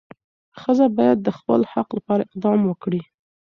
ښځه باید د خپل حق لپاره اقدام وکړي.